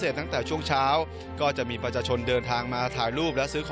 และที่สำคัญปีนี้มีพิธีถวายความอลัยแด่พระบาทสมเด็จพระปรมินทรมาหาภูมิภูมิอนุญเดชอีกด้วย